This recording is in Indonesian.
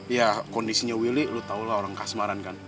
ya kondisinya willy lo tau lah orang kasmaran kan